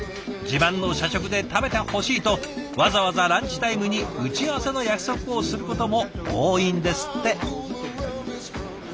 自慢の社食で食べてほしいとわざわざランチタイムに打ち合わせの約束をすることも多いんですって。